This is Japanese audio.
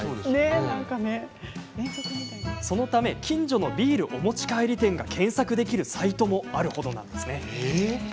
そのため近所のビールお持ち帰り店が検索できるサイトもあるほどです。